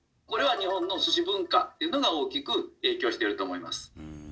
これは日本の寿司文化というのが大きく影響してると思います。